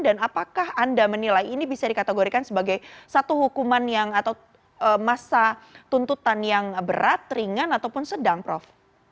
apakah anda menilai ini bisa dikategorikan sebagai satu hukuman yang atau masa tuntutan yang berat ringan ataupun sedang prof